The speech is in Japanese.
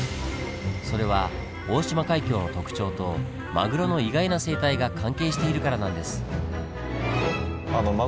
それは大島海峡の特徴とマグロの意外な生態が関係しているからなんです。